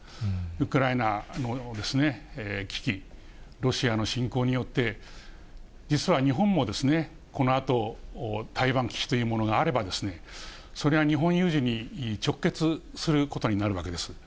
ウクライナの危機、ロシアの侵攻によって実は日本も、このあと台湾危機というものがあれば、それは日本有事に直結することになるわけです。